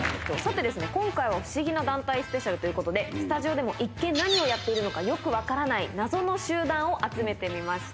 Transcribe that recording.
今回は不思議な団体スペシャルということで、スタジオでも一見何をやっているのかよく分からない謎の集団を集めてみました。